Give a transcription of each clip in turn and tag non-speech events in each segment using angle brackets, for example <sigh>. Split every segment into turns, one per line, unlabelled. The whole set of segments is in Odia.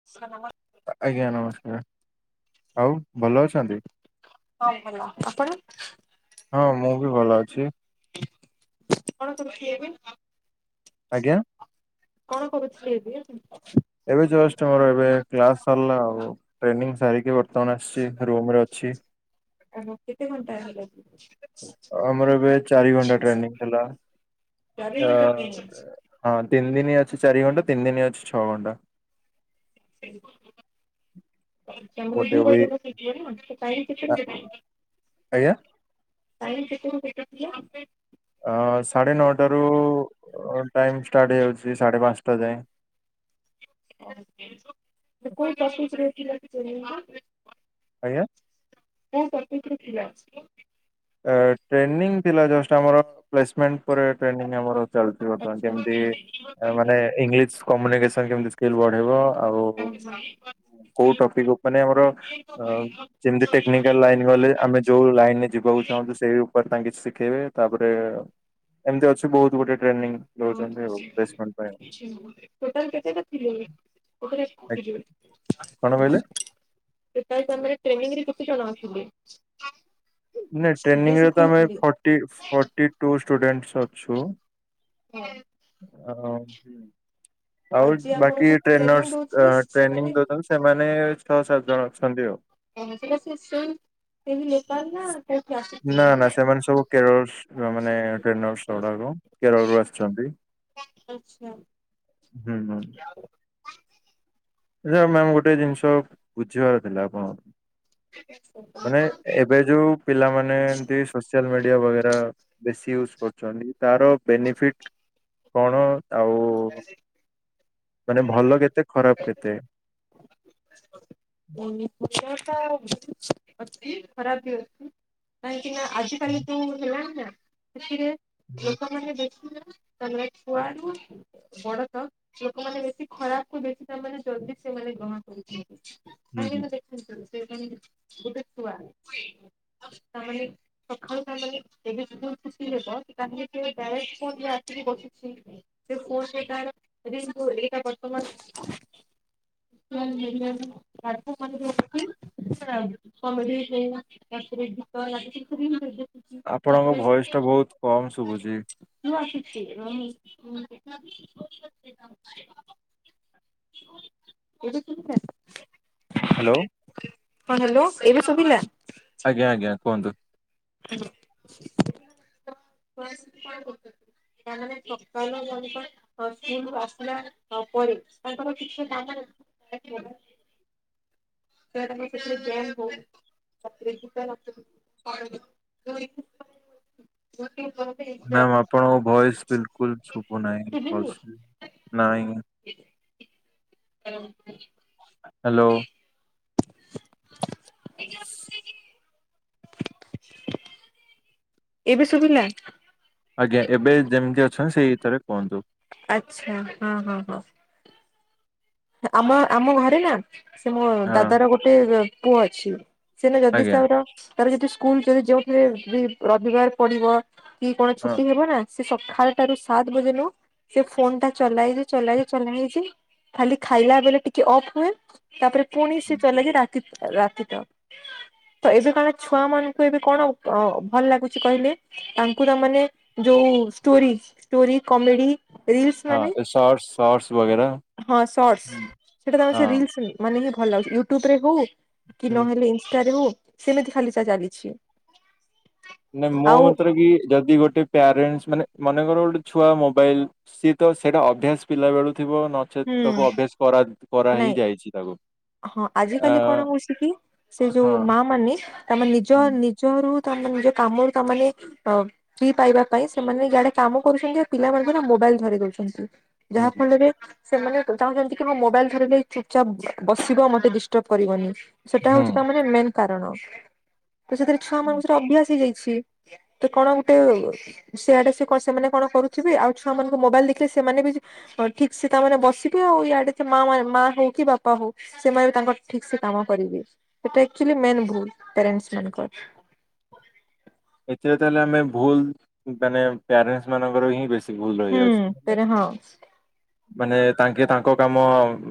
<unintelligible>
ଆଜ୍ଞା ନମସ୍କାର ଆଉ ଭଲ ଅଛନ୍ତି
ହଁ ଭଲ ଆପଣ
ହଁ ମୁଁ ବି ଭଲ ଅଛି
କଣ କରୁଥିଲେ ଏବେ?
ଆଜ୍ଞା
କଣ କରୁଥିଲେ ଏବେ?
ଏବେ ଜଷ୍ଟ ମୋର ଏବେ କ୍ଲାସ ସରିଲା ଆଉେ ଟ୍ରେନିଂ ସାରିକି ବ ତଣ ଆସିଛି ରିମ ରେ ଅଛି
ଆ କେତେ ଘଣ୍ଟା ହେ ଲାଗ
ଆମର ଏବେ ଚାରି ଘଣ୍ଟା ଟ୍ରେନିଂ ଥିଲା
ଚାରି
ଆ
ଘଣ୍ଟା
ହଁ ତିନି ଦିନି ଅଛି ଚାରି ଘଣ୍ଟା ତିନି ଦିନି ଅଛି ଛଅ ଘଣ୍ଟା
<unintelligible>
ଗୋଟେ ୱି ଆ
<unintelligible>
ଆଜ୍ଞା
<unintelligible>
ଅ ସାଢ଼େ ନଅଟାରୁ ଟାଇମ ଷ୍ଟାର୍ଟ ହେଇଯାଉଛି ସାଢେ ପାଞ୍ଚଟା ଯାଏଁ
<unintelligible>
ଆଜ୍ଞା
ହଁ ଟପିକ ରେ ଥିଲା ଅଛି ତ
ଟ୍ରେନିଂ ଥିଲା ଜଷ୍ଟ ଆମର ପ୍ଲେସମେଣ୍ଟ ପରେ ଟ୍ରେନିଂ ଆମର ଚାଲିଛି ବର୍ତ୍ତମାନ
ଆଚ୍ଛା
କେମିତି ମାନେ ଇଂଲିଶ କମ୍ୟୁନିକେସନ କେମତି ସ୍କିଲ୍ ବଢିବ ଆଉ କୋଉ ଟପିକ ଉ ମାନ ଆମର ଯେମିତି ଟେକ୍ନିକାଲ ଲାଇନ ଗଲେ ଆମେ ଯୋଉ ଲାଇନ ରେ ଯିବାକୁ ଚାହୁଁ ସେଇ ଉପରେ ତାଙ୍କ କିଛି ଶିଖେଇବେ ତାପରେ ଏମିତି ଅଛି ବହୁତ ଗୋଟେ ଟ୍ରେନିଂ ଦଉଛନ୍ତି ଆଉ ପ୍ଲେସମ
ଟୋଟାଲ କେତେଟା ଥିଲେ
ଆ, କଣ କହିଲେ
<unintelligible> ସେତେଳ ଟାଇମ୍ ଟ୍ରେନିଂରେ କେତେ ଜଣ ଅଛନ୍ତି <unintelligible>
ନାଇଁ ଟ୍ରେନିଂରେ ତ ଆମେ ଫଟି ଫଟିଟୁ ଷ୍ଟୁଡେଣ୍ଟ୍ ଅଛୁ
ହୁଁ <inaudible>
ହ ଆଉ
ଯିଏ
ବାକି
ଆପଣଙ୍କୁ ଟ୍ରେନିଂ
ଟ୍ରେନର୍ସ
ଦଉଥିଲେ
ଟ୍ରେନି
ସେମାନେ
ଦୋଉଛନ୍ତି ସେମାନେ ଛଅ ସାତ ଜଣ ଅଛନ୍ତି ଆଉ
ଏ ମିତି ରେ ସି <unintelligible>
ନା ନା ସେମାନେ ସବୁ କେରଳ ସୁ ମାନେ ଟେନର୍ସ୍ ଗୁଡାକ କେରଳରୁୁ ଆସିଛନ୍ତି
ଆଚଛା
ହୁଁ ହୁଁ
ହଉ
ମ୍ୟାମ ଗୋଟେ ଜିନିଷ ବୁଝିବାର ଥିଲା ଆପଣ
ଆି <unintelligible>
ମାନେ ଏବେ ଯୋଉ ପିଲାମାନେ ଏମତି ସୋସିଆଲ ମିଡିଆ ବେରା ବେଶୀ ୟୁଜ କରୁଛନ୍ତି ତାର ବେନିଫିଟ କଣ ଆଉ ମାନେ ଭଲ କେତେ ଖରାପ କେତେ
ଷା <unintelligible> ଅଛି ଖରାପିଅଛି କାହିଁକି ନା ଆଜିିକାଲି ଯୋଉ ହେଲା ନା ସେଥିରେ
ହୁଁ
ଲୋକମାନେ ଦେଖିଲେ। କଲ କୁଆ <unintelligible> ବଡ ତ ଲୋକମାନେ ବେଶୀ ଖରାପ କୁ ବେଶି ତାମାନେ ଜଲଦି ସେମାନେ ଗ୍ରହଣ କରୁଛନ୍ତି। କଁ
ହୁଁ।
ଦେଖନ୍ତ ସେ ଗୋଟେ ଛୁଆ ତାମାନେ ସକାଳୁ ତାହଲେ ଦେବେଦର ଖୁସି ହେବ ସେ କେ <unintelligible> ଆସିକି ବସିଛି ସେ ଫୋ ସେ <unintelligible> ଥ ମନ୍ଦଛି <unintelligible> କମେଡି ଫ୍ ତାପରେ ଗୀତ ଲ କି ବି ମି <unintelligible>
ଆପଣଙ୍କ ଭଏଶ୍ ଟା ବହୁତ କମ ଶୁଭୁଛି
ହୁ ଆଶୁଛି ନନି <unintelligible>
ହ୍ୟାଲୋ
ହ ହ୍ୟାଲୋ ଏବେ ଶୁଭିଲା
ଆଜ୍ଞ ଆଜ୍ଞା କୁହନ୍ତୁ
ହ୍ୟାଲୋ ତା ମାନେ ପକା <unintelligible> <unintelligible> ସ୍ ଆସିଲା ପରେ ତାଙ୍କର କିଛି କାମ <unintelligible> ଶେଷରେ ଗେମ୍ ବହୁତ୍ <unintelligible>
ମ୍ୟାମ ଆପଣଙ୍କ ଭଏସ ବିଲକୁଲ ଶୁଭୁ ନାହିଁ ଭଲସେ ନାଇଁ
କର <unintelligible>
ହ୍ୟାଲୋ
ଏା <unintelligible> ଏବେ ଶୁବିଲା
ଆଜ୍ଞା ଏବେ ଯେମିତି ଅଛନ୍ତି ସେଇ ଭିତରେ କୁହନ୍ତୁ
ଆଛା ହଁ ହଁ ହଁ ଆମ ଆମ ଘରେ ନା ସେ ମୋ
ହଁ
ଦାଦାର ଗୋଟେ ପୁଅ ଅଛି ସିନା ଯଦି
ଆଜ୍ଞା
ତାର ତାର ଯଦି ସ୍କୁଲ ଯଦି ଯୋଉଥିରେ ବି ରବିବାର ପଡିବ କି କଣ
ହଁ
ଛୁଟି ହେବନା। ସେ ସଖାଳଟାରୁ ସାତ ବଜେ ରୁ ସେ ଫୋନ ଟା ଚଲା ହେଇଚି ଚଲା-ଚଲା ହେଇଚି। ଖାଲି ଖାଇଲା ବେଳେ ଟିକେ ଅଫ୍ ହୁଏ, ତାପରେ ପୁଣି ସିଏ ଚଲେଇକି ରାତି <unintelligible> ତ ଏବେ କଣ ଛୁଆ ମାନଙ୍କୁ ଏବେ କଣ ଅ ଭଲ ଲାଗୁଛି କହିଲେ। ତାଙ୍କୁ ତାମାନେ ଯୋଉ ଷ୍ଟୋରି, ଷ୍ଟୋରି କମେଡି ରିଲସ ମାନେ
ହଁ ଶର୍ଟ ଶର୍ଟସ ବଗେରା
ହଁ ଶର୍ଟସ, ସେଟା <unintelligible>
ହଁ
ରିଲସ ମାନେ ହିଁ ଭଲ ଲାଗୁଚି, ୟୁଟୁବ ରେ ହଉ କି
ହୁଁ
ନହେଲେ ଇନଷ୍ଟାରେ ହଉ, ସେମିତି ଖାଲି <unintelligible> ଚାଲିଚି।
ନାଇଁ ମୋ ମତରେ କି ଯଦି ଗୋଟେ ପ୍ୟାରେଣ୍ଟସ୍ ମାନେ ମନେକର ଗୋଟେ ଛୁଆ ମୋବାଇଲ୍, ସିଏ ତ ସେଇଟା ଅଭ୍ୟାସ ପିଲାବେଳୁ ଥିବ ନ ଚେତ୍
ହୁଁ
ତାକୁ ଅଭ୍ୟାସ କରା-କରା
ନାଇଁ
ହେଇଯାଇଚି ତାକୁ।
ହଁ
ଆ
ଆଜିକାଲି କଣ ହଉଛି କି ସେ ଯୋଉ
ହଁ
ମା ମାନେ <unintelligible> ନିଜ ନି ଜ ରୁ ତମେ ନିଜ କାମରୁ ତମାନେ ଅ ଫ୍ରି ପାଇବା ପାଇଁ ସେମାନେ ଇଆଡେ କାମ କରୁଚିନ୍ତି, ଆଉ ପିଲାମାନଙ୍କୁ ନା ମୋବାଇଲ୍ ଧରେଇ ଦଉଚିନ୍ତି। ଯାହା
ହୁଁ
ଫଳରେ ସେମାନେ ଚାହୁଁଚନ୍ତି କି ମୋ ମୋବାଇଲ୍ ଧରିଲେ ଚୁପଚାପ୍ ବସିବ ମତେ ଡିଷ୍ଟର୍ବ କରିବନି। ସେଟା ହଉଚି
ହୁଁ।
ତା ମାନେ ମେନ୍ କାରଣ, ତ ସେଥିରେ ଛୁଆ ମାନଙ୍କର ସେଇଟା ଅଭ୍ୟାସ ହେଇଯାଇଛି। ତ କଣ ଗୋଟେ ସିଆଡେ ସେ ସେମାନେ କଣ କରୁିବେ ଆଉ ଛୁଆ ମାନଙ୍କୁ ମୋବାଇଲ୍ ଦେଖିଲେ ସେମାନେ ବି ଠିକ୍ସେ ତାମାନେ ବସିବେ ଆଉ, ଇଆଡେ ତ ମା ମାନେ ମା ହଉ କି ବାପା ହଉ ସେମାନେ ବି ତାଙ୍କର ଠିକ୍ସେ କାମ କରିବେ। ସେଇଟା ଆକଚୁଆଲି ମେନ୍ ଭୁଲ ପ୍ୟାରେଣ୍ଟସ୍ ମାନଙ୍କର।
ଏଥିରେ ତାହେଲେ ଆମେ ଭୁଲ୍ ମାନେ ପ୍ୟାରେଣ୍ଟସ୍ ମାନଙ୍କର ହିଁ ବେଶୀ ଭୁଲ୍ ରହିଯାଉଛି,
ତେରେ ହଁ
ମାନେ ତାଙ୍କେ ତାଙ୍କ କାମ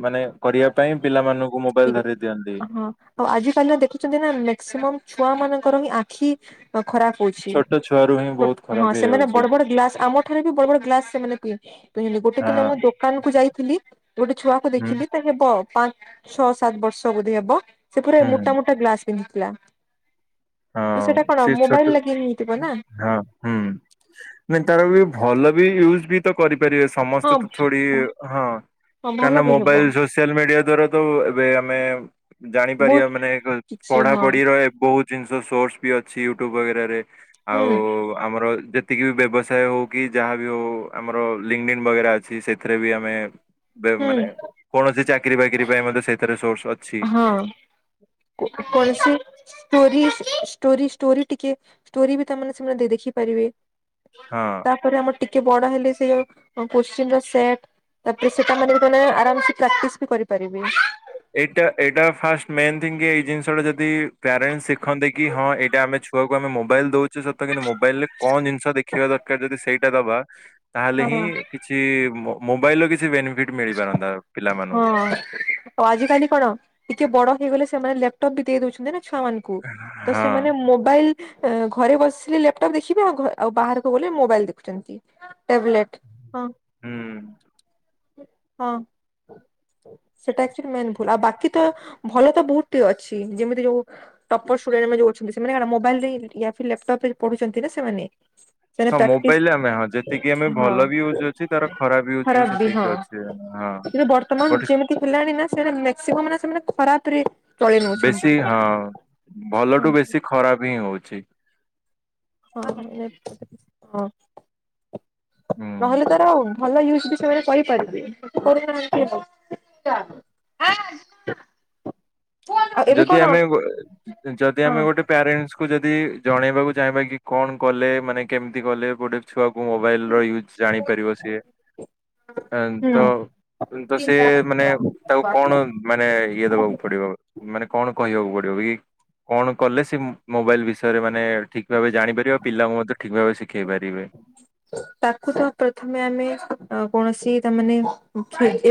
ମାନେ କରିବା ପାଇଁ ପିଲମାନଙ୍କୁ ମୋବାଇଲ୍ ଧରେଇ ଦିଅନ୍ତି।
ହଁ ଆଉ ଆଜି କାଲିର ଦେଖୁଛନ୍ତି ନା ମେକ୍ସିମମ୍ ଛୁଆ ମାନଙ୍କର ହିଁ ଆଖି ଖରାପ୍ ହଉଛି।
ଛୋଟ ଛୁଆରୁ ହିଁ ବହୁତ
ହଁ
ଖରାପ
ସେମାନେ
ହେଇଯାଉଛି
ବଡ୍-ବଡ୍ ଗ୍ଲାସ୍ ଆମ ଠାରୁ ବି ବଡ୍-ବଡ୍ ଗ୍ଲାସ ସେମାନେ ପିଉ <unintelligible> ଗୋଟେ ଦିନ
ହଁ
ମୁଁ ଦୋ ଦୋକାନକୁୁ ଯାଇଥିଲି ଗୋଟେ ଛୁଆକୁ
ହୁଁ
ଦେଖିଲି ତ ହେବ ପାଞ୍ଚ ଛଅ ସାତ ବର୍ଷ ବୋଧ ହେବ ସେ ପୁରା
ହୁଁ।
ମୋଟା-ମୋଟା ଗ୍ଲାସ୍ ପିନ୍ଧିଥିଲା। ତ
ହଁ
ସେଇଟା କଣ
ସେ ଛୋଟ
ମୋବାଇଲ୍ ଲାଗି ହେଇଥିବ ନା।
ହଁ ହୁଁ ନାଇଁ ତାର ବି ଭଲ ବି ୟୁଜ୍ ବି ତ କରିପାରିବେ ସେ। ସମସ୍ତେ
ହଁ
ତ ଥୋଡି ହଁ
ହଁ
କାରଣ
ଭଲ ବି ହେବ
ମୋବାଇଲ୍ <unintelligible> ସିଆଲ୍ ମିଡିଆ ଦ୍ଵାରା ତ ଏବେ ଆମେ ଜାଣିପାରିବା
ବହୁତ
ମାନେ
କିଛି ହଁ
ପଢାପଢିର ବହୁତ୍ ଜିନିଷ ସୋର୍ସ ବି ଅଛି ୟୁଟ୍ୟୁବ ବଗେରାରେ,
ହୁଁ
ଆଉ ଆମର ଯେତିକି ବି ବ୍ୟବସାୟ ହଉ କି ଯାହାବି ହଉ, ଆମର ଲିଙ୍ଗଡିନ୍ ବଗେରା ଅଛି ସେଥିରେ ବି ଆମେ ଭେ
ହୁଁ
ମାନେ କୌଣସି ଚାକିରି ବାକିରି ପାଇଁ ମଧ୍ୟ ସେଥିରେ ସୋର୍ସ ଅ
ହଁ <unintelligible> ଷ୍ଟୋରୀ-ଷ୍ଟୋରୀ-ଷ୍ଟୋରୀ ଟିକେ ଷ୍ଟୋରୀ ବି ତାମାନେ ସେମାନେ ଦେଖିପାରିବେ।
ହଁ।
ତାପରେ ଆମର ଟିକେ ବଡ ହେଲେ ସେ ଯୋଉ କୋଶ୍ଚିନ୍ ର ସେଟ୍ ତାପରେ ସେଟା ମାନେ <unintelligible> ଆରାମ୍ସେ ପ୍ରାକ୍ଟିସ୍ ବି କରିପାରିବେ।
ଏଇଟା-ଏଇଟା ଫାଷ୍ଟ ମେନ୍ ଥିଙ୍ଗ କି ଏଇ ଜିନିଷ ଟା ଯଦି ପ୍ୟାରେଣ୍ଟସ୍ ଶିଖନ୍ତେ କି ହଁ ଏଇଟା ଆମେ ଛୁଆକୁ ଆମେ ମୋବାଇଲ୍ ଦଉଚୁ ସତ କିନ୍ତୁ ମୋ ମୋବାଇଲ୍ ରେ କଣ ଜିନିଷ ଦେଖିବା ଦରକାର ଯଦି ସେଇଟା ଦବା, ତାହେଲେ
ହଁ।
ହିଁ କିଛି ମୋବାଇଲ୍ ର କିଛି ବେନିଫିଟ ମିଳିପାରନ୍ତା।
ହଁ
ପିଲାମାନଙ୍କୁ।
ଆଉ ଆଜିକାଲି କଣ ଟିକେ ବଡ ହେଇଗଲେ ସେମାନେ ଲାପଟପ୍ ବି ଦେଇ ଦଉଛନ୍ତି ନା ଛୁଆ ମାନଙ୍କୁ। ତ
ହଁ
ସେମାନେ ମୋବାଇଲ୍ ସେ ଘରେ ବସିଲେ ଲାପଟପ୍ ଦେଖିବେ ଆଉ ଘ- ଆଉ ବାହାରକୁ ଗଲେ ମୋବାଇଲ୍ ଦେଖୁଚନ୍ତି। ଟେବଲେଟ୍ ହଁ-
ହୁଁ।
ହଁ। ସେଇଟା ଆକ୍ଚୁଲି ମେନ୍ ଭୁଲ୍ ଆଉ ବାକି ତ ଭଲ ତ ବହୁତ୍ ଅଛି ଯେମିତି ଯଉ ଟପର୍ ଷ୍ଟୁଡେଣ୍ଟ୍ ମାନେ ଯଉ ଅଛନ୍ତି ସେମାନେ କାରଣ ମୋବାଇଲ୍ ରେ ଲାପଟପ୍ ରେ ପଢୁଚନ୍ତି ନା ସେମାନେ। ସେରା
ହଁ
ପ୍ରାକ୍ଟିସ୍
ମୋବାଇଲରେ ଆମେ ହଁ ଯେତିକି ଆମେ ଭଲ ବି ୟୁଜ
ହଁ
ଅଛି ତାର ଖରାପ ୟୁଜ
ଖରାପ୍ ବି
ସେତିକି
ହଁ।
ଅଛି ହଁ
କିନ୍ତୁ ବର୍ତ୍ତମାନ
ବଟ
ଯେମିତି ହେଲାଣି ନା ସେ ମେକ୍ସିମମ୍ ନା ସେମାନେ ଖରାପ୍ ରେ ଚଳେଇ ନଉଛନ୍ତି
ବେଶୀ-
ସେଟା।
ହଁ
ହଁ
ଭଲଠୁ ବେଶୀ ଖରାପ ହିଁ ହଉଚି।
ହଁ- ହଁ ନହେଲେ
ହୁଁ।
ତାର ଆଉ ଭଲ ୟୁଜ୍ ବି ସେମାନେ କରିପାରିବେ। <inaudible> ଆଉ ଏବେ
ଯଦି
କଣ
ଆମେ ବ-ଯଦି
ହଁ
ଆମେ ଗୋଟେ ପ୍ୟାରେଣ୍ଟ୍ ତାଙ୍କୁ ଯଦି ଜଣେଇବାକୁ ଚାହିଁବା କି କଣ କଲେ ମାନେ କେମିତି କଲେ <unintelligible> ଛୁଆକୁ ମୋବାଇଲର ୟୁଜ୍ ଜାଣିପାରିବ ସିଏ। ହଁ
ହୁଁ।
-ତ- ତ ସେମାନେ ତାକୁ କଣ ମାନେ ଇଏ ଦବାକୁ ପଡିବ ମାନେ କଣ କହିବାକୁ ପଡିବ ବି କଣ କଲେ ସେ ମ-ମୋବାଇଲ୍ ବିଷ୍ ବିଷୟରେ ମାନେ ଠିକ୍ ଭାଵେ ଜାଣି ପାରିବେ ଆଉ ପିଲାଙ୍କୁ ମଧ୍ୟ ଠିକ ଭାବେ ଶିଖେଇ ପାରିବେ।
ହ? ତାକୁ ତ ପ୍ରଥମେ ଆମେ ଅ- କୌଣସି ତା ମାନେ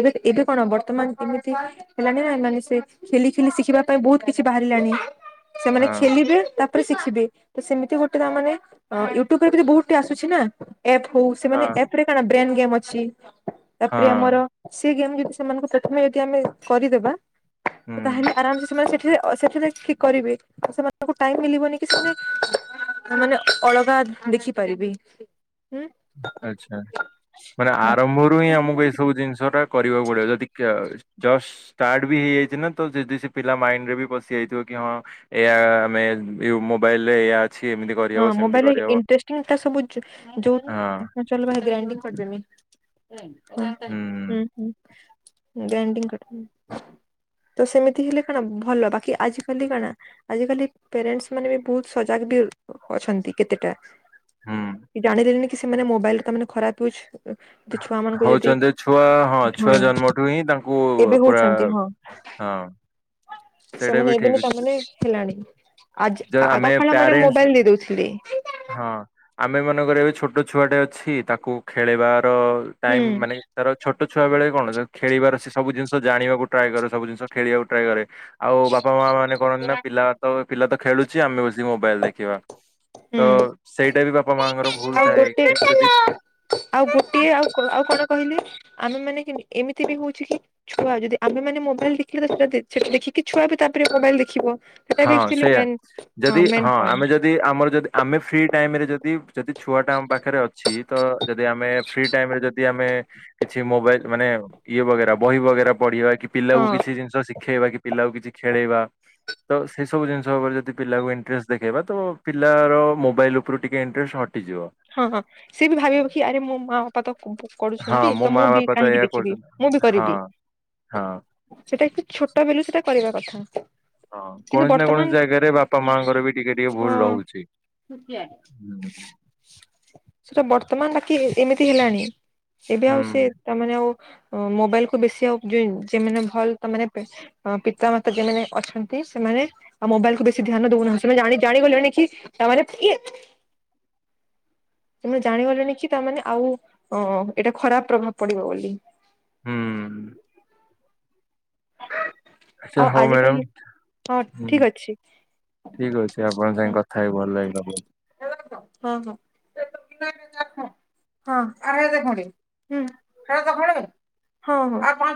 ଏବେ -ଏବେ କଣ ବର୍ତ୍ତମାନ୍ ଏମିତି ହେଲାଣି ନା ମାନେ ସେ ଖେଲି ଖେଲି ଶିଖିବା ପାଇଁ ବହୁତ୍ କିଛି ବାହାରିଲାଣି। ସେମାନେ
ହଁ
ଖେଲିବେ ତା ତାପରେ ଶିଖିବେ ତ ସେମିତି ଗୋଟେ ତା ମାନେ ୟୁଟ୍ୟୁବ୍ ରେ ବି ବହୁତି ଆସୁଚି ନା। ଏପ୍ ହଉ
ହଁ
ସେମାନେ ଏପ୍ ରେ କଣ ବ୍ରେନ୍ ଗେମ୍ ଅଛି
ହଁ
ତାପରେ ଆମର ସେ ଗେମ୍ ଯଦି ସେମାନଙ୍କୁ ପ୍ରଥମେ ଯଦି ଆମେ କରିଦେବା
ହୁଁ
ତାହେଲେ ଆରାମ୍ ସେ ସେମାନେ ସେଠିରେ ଓ ସେଥିରେ ଠିକ୍ କରିବେ ସେମାନଙ୍କୁ ଟାଇମ୍ ମିଳିବନି କି ସେମାନେ ମାନେ ଅଳଗା <unintelligible> ଦେଖିପାରିବେ। ହୁଁ।
ଆଚ୍ଛା। ମାନେ ଆରମ୍ଭରୁ ହିଁ ଆମକୁ ଏସବୁ ଜିନିଷ ଟା କରିବାକୁ ପଡିବ ଯଦି କା- ଜଷ୍ଟ୍ ଷ୍ଟାର୍ଟ ବି ହେଇଯାଇଚି ନା ତ ଯଦି ସେ ପିଲା ମାଇଣ୍ଡ ରେ ବି ପସି ଯାଇଥିବ କି ହଁ ଏୟା ଆମେ ଇଉ- ମୋବାଇଲରେ ଏୟା ଅଛି ଏମିତି କରିହବ ସେମିତି କରିହବ
<unintelligible>
ହଁ
ହୁଁ- ହୁଁ- ହୁଁ ଗ୍ରାଇଣ୍ଡି କରିଦେବି। ତ ସେମିତି ହେଲେ କଣ ଭଲ ବାକି ଆଜି କାଲି କଣ ଆଜିକାଲି ପ୍ୟାରେଣ୍ଟସ୍ ମାନେ ବି ବହୁତ ସଜାଗ୍ ବି ଅଛନ୍ତି କେତେଟା
ହୁଁ
କି ଜାଣିଦେଲେନି କି ସେମାନେ ମୋବାଇଲ ତା ମାନେ ଖରାପ୍ ହୋଇଚି
ହଉଚନ୍ତି ଛୁଆ ହଁ ଛୁଆ ଜନ୍ମଠୁ ହିଁ ତାଙ୍କୁ
ଏବେ
ପୁରା
ହଉଛନ୍ତି
ହଁ। ସେଇଟା ବି
ସେମାନେ
ଠିକ
ଏବେବି ତା
ଅଛି
ମାନେ ହେଲାଣି ଆଜି
ଯେ ଆମେ
ଆଗକାଳ ମାନେ
ପ୍ୟାରେଣ୍ଟସ୍
ମୋବାଇଲ ଦେଇ ଦଉଥି ଲେ।
ହଁ ଆମେ ମନେକର ଏବେ ଛୋଟ ଛୁଆଟେ ଅଛି ତାକୁ ଖେଳେଇବାର
ହୁଁ
ଟାଇମ୍ ମାନେ ତାର ଛୋଟ ଛୁଆ ବେଳେ କଣ ଖେଳିବାର ସେ ସବୁ ଜିନିଷ ଜାଣିବାକୁ ଟ୍ରାଏ କରେ ସବୁ ଜିନିଷ ଖେଳିବାକୁ ଟ୍ରାଏ କରେ। ଆଉ ବାପା ମା ମାନେ କରନ୍ତି ନା ପିଲା ତ ପିଲା ତ ଖେଳୁଚି ଆମେ ବସିକି ମୋବାଇଲ ଦେଖିବା। ତ
ହୁଁ
ସେଇଟା ବି ବାପା ମାଆଙ୍କର ଭୁଲ
ଆଉ
ଥାଏ
ଗୋଟେ
କି ଯଦି
ଆଉ ଗୋଟିଏ ଆଉ ଆଉ କ କଣ କହିଲେ ଆମେ ମାନେ କେମିତ ଏମିତି ବି ହଉଛି କି ଛୁଆ ଯଦି ଆମେ ମାନ ମୋବାଇଲ ଦେଖିଲେ ସେଟା ସୋ ଦେଖିକି ଛୁଆ ବି ତାପରେ ମୋବାଇଲ ଦେଖିବ? ସେଟା ବି
ହଁ
<unintelligible>
ସେଇଆ
ମେନ୍ହଁ
ଯଦି ହଁ
ମେନ
ଆମେ
ପଏଣ୍ଟ।
ଯଦି ଆମର ଯଦି ଆମେ ଫ୍ରି ଟାଇମ ରେ ଯଦି ଯଦି ଛୁଆଟା ଆମ ପାଖରେ ଅ ଛି ତ ଯଦି ଆମେ ଫ୍ରି ଟାଇମରେ ଯଦି ଆମେ କିଛି ମୋବାଇଲ ମାନେ ଇଏ ବଗେରା ବହି ବଗେରା ପଢିବା କି।
ହଁ
ପିଲାକୁ କିଛି ଜିନିଷ ଶିଖେଇବା କି ପିଲାକୁ କିଛି ଖେଳେଇବା ତ ସେସବୁ ଜିନିଷ ଉପରେ ଯଦି ପିଲାକୁ ଇଣ୍ଟରେଷ୍ଟ ଦେଖେଇବା ତ ପିଲାର ମୋବାଇଲ ଉପରୁ ଟିକେ ଇଣ୍ଟରେଷ୍ଟ ହଟିଯିବ।
ହଁ ହଁ ସେ ବି ଭାବିବ କି ଆରେ ମୋ ମା ବାପା ତ କରୁଛନ୍ତି
ହଁ ମୋ
ତ
ମା
ମୁଁ ବି
ବାପା ତ
କାହିଁକି
ଏଇଆ
ଦେଖିବି
କରୁଛନ୍ତି
ମୁଁ ବି
ହଁ
କରିବି।
ହଁ।
ସେଟା <unintelligible> ଛୋଟ ବେଲୁ ସେଟା କରିବା କଥା।
ହଁ
କିନ୍ତୁ
କୌଣସି ନା କୌଣସି
ବର୍ତ୍ତମାନ
ଜାଗାରେ ବାପା ମାଙ୍କର ବି ଟିକେ ଟିକେ ଭୁଲ ରହୁଛି।
ହଁ
ହୁଁ
<unintelligible> ସେଟା ବର୍ତ୍ତମାନ ବାକି ଏ ଏମିତି ହେଲାଣି ଏବେ
ହୁଁ
ଆଉ ସେ ତାମାନେ ଆଉ ମୋବାଇଲ କୁ ବେଶି ଆଉ ଯେମିନି ଭଲ ତା ମାନେ ଅ ପିତା ମାତା ଯେମାନେ ଅଛନ୍ତି ସେମାନେ ଆଉ ମୋବାଇଲ କୁ ବେଶୀ ଧ୍ୟାନ ଦଉନାହା ସେମାନେ ଜାଣି ଜାଣିଗଲେଣି କି ତାମାନେ ଇଏ ତମ ଜାଣିଗଲେଣିି କି ତାମାନେ ଆଉ ଅ ଏଇଟା ଖରାପ ପ୍ରଭାବ ପଡିବ ବୋଲି।
ହୁଁ। ଆଛା
ଆଉ
ହଉ
ଆଜିକାଲି
ମ୍ୟାଡ଼ମ
ହଁ
ହୁଁ
ଠିକ ଅଛି
ଠିକ ଅଛି ଆପଣଙ୍କ
ହଁ
ସାଙ୍ଗେ କଥା ହେଇ ଭଲ ଲାଗିଲା ବହୁତ।
ହଁ ହଁ। <inaudible> ହଁ ହଁ।